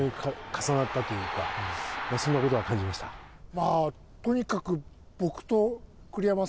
まあとにかく。